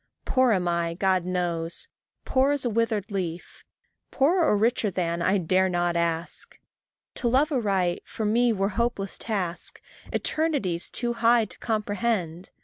Poor am I, God knows, poor as withered leaf; Poorer or richer than, I dare not ask. To love aright, for me were hopeless task, Eternities too high to comprehend.